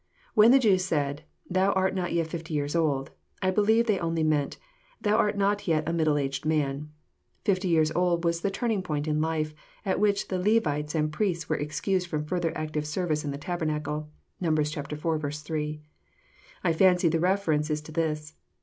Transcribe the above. When the Jews said, " Thou art not yet fifty years old," I believe they only meant, " Thou art not yet a middle aged man." Fifty years old was the turning point in life, at which the Levites and priests were excused from further active service in the tabernacle. (Numbers iv. 8.) I fancy the reference is to this.